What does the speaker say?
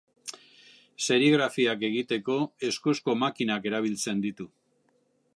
Serigrafiak egiteko, eskuzko makinak erabiltzen ditu.